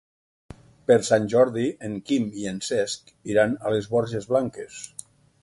Per Sant Jordi en Quim i en Cesc iran a les Borges Blanques.